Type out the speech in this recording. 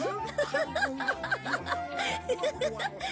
ハハハハッ！